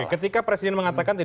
oke ketika presiden mengatakan